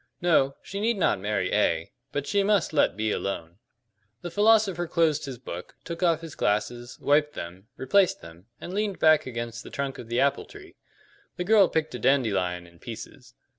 No, she need not marry A; but she must let B alone." The philosopher closed his book, took off his glasses, wiped them, replaced them, and leaned back against the trunk of the apple tree. The girl picked a dandelion in pieces.